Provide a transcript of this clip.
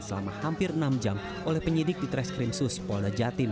selama hampir enam jam oleh penyidik di treskrim suspo dajatim